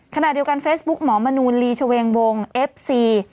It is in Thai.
ขณะเดียวกันเฟซบุ๊กหมอมนูลลีชเวงวงเอฟซี